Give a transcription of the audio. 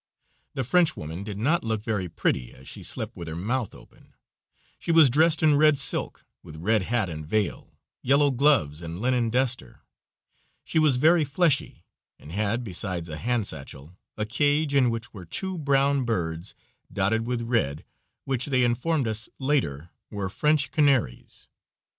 The Frenchwoman did not look very pretty, as she slept with her mouth open. She was dressed in red silk, with red hat and veil, yellow gloves and linen duster. She was very fleshy, and had, besides a hand sachel, a cage in which were two brown birds dotted with red, which they informed us later were French canaries.